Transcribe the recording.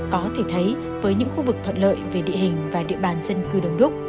có thể thấy với những khu vực thuận lợi về địa hình và địa bàn dân cư đông đúc